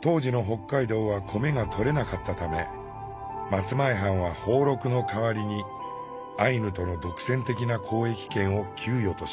当時の北海道は米がとれなかったため松前藩は俸禄の代わりにアイヌとの独占的な交易権を給与としました。